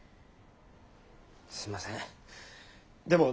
すいませんでも。